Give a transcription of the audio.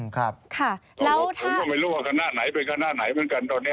ผมก็ไม่รู้ว่าคณะไหนเป็นคณะไหนเหมือนกันตอนนี้